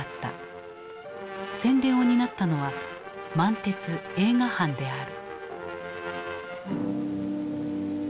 宣伝を担ったのは満鉄映画班である。